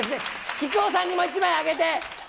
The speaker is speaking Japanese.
木久扇さんにも１枚あげて。